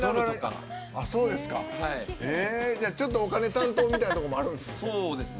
ちょっと、お金担当みたいなところもあるんですね。